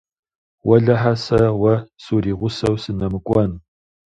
Уэлэхьэ, сэ уэ суригъусэу сынэмыкӀуэн.